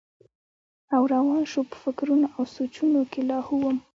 او روان شو پۀ فکرونو او سوچونو کښې لاهو وم